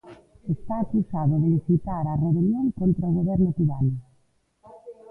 Está acusado de incitar á rebelión contra o goberno cubano.